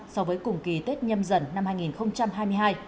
so với cùng kỳ tết nhâm dần năm hai nghìn hai mươi hai